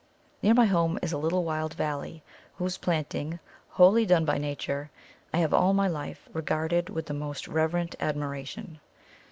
Near my home is a little wild valley, whose planting, wholly done by Nature, I have all my life regarded with the most reverent admiration.